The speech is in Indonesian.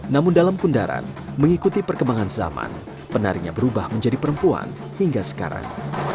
namun dalam kundaran mengikuti perkembangan zaman penarinya berubah menjadi perempuan hingga sekarang